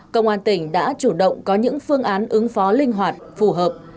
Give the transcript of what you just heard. công an tỉnh đã chủ động có những phương án ứng phó linh hoạt phù hợp